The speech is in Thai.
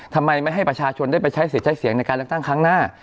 ทำไมไม่ให้ประชาชนได้ไปใช้สิทธิ์ใช้เสียงในการเลือกตั้งครั้งหน้า